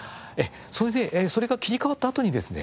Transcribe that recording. それでそれが切り替わったあとにですね